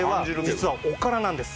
実はおからなんです。